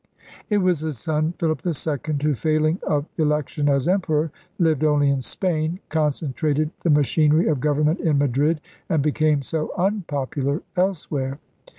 It was his son Philip II who, failing of election as Emperor, lived only in Spain, con centrated the machinery of government in Madrid, and became so unpopular elsewhere.